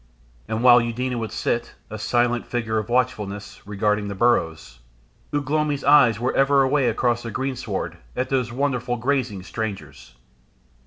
And while Eudena would sit, a silent figure of watchfulness, regarding the burrows, Ugh lomi's eyes were ever away across the greensward at those wonderful grazing strangers.